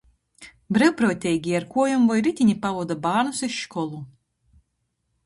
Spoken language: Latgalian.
Breivpruoteigī ar kuojom voi ritini pavoda bārnus iz školu.